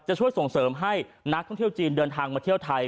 จะช่วยส่งเสริมให้นักท่องเที่ยวจีนเดินทางมาเที่ยวไทย